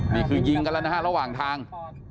ยิงกันแล้วนะฮะระหว่างทาง